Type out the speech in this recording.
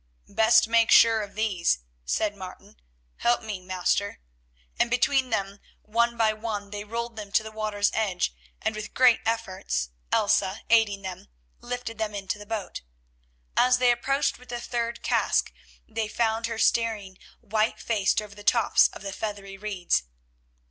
"Best make sure of these," said Martin. "Help me, master," and between them one by one they rolled them to the water's edge, and with great efforts, Elsa aiding them, lifted them into the boat. As they approached with the third cask they found her staring white faced over the tops of the feathery reeds.